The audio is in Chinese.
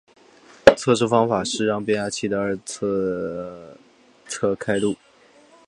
测试方式是让变压器的二次侧开路。